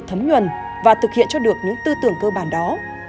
thấm nhuần và thực hiện cho được những tư tưởng cơ bản đó